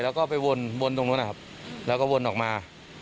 แล้วก็ไปวนตรงนู้นนะครับแล้วก็วนออกมา